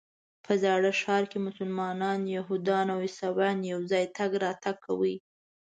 په زاړه ښار کې مسلمانان، یهودان او عیسویان یو ځای تګ راتګ کوي.